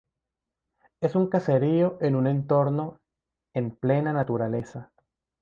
Es un caserío en un entorno en plena naturaleza.